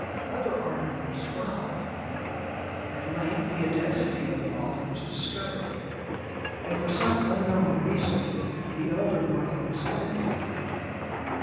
Other articles followed, at length the identity of the author was discovered, and for some unknown reason the elder brother was offended.